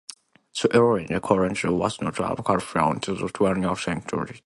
The erroneous chronology was not clarified until the twentieth century.